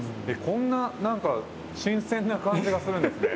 こんな何か新鮮な感じがするんですね。